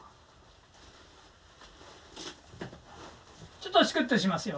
ちょっとチクッとしますよ。